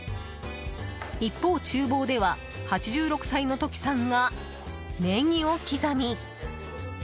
一方、厨房では８６歳のトキさんがネギを刻み。